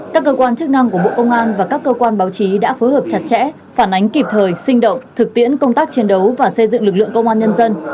các cơ quan chức năng của bộ công an và các cơ quan báo chí đã phối hợp chặt chẽ phản ánh kịp thời sinh động thực tiễn công tác chiến đấu và xây dựng lực lượng công an nhân dân